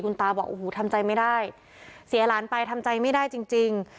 ตาบอกโอ้โหทำใจไม่ได้เสียหลานไปทำใจไม่ได้จริงจริง